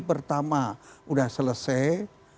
pertama sudah selesai